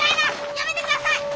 やめてください！